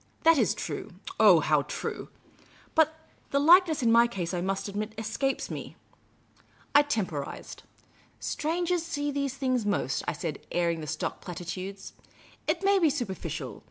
" That is true. Oh, how true ! But the likeness in my case, I must admit, escapes me." II f 1 62 Miss Cayley's Adventures I temporised. " Strangers see these things most," I said, airing the stock platitudes. " It may be superficial.